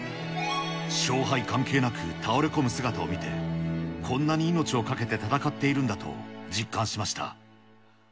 勝敗関係なく倒れ込む姿を見て、こんなに命をかけて戦っているんだと、実感しました。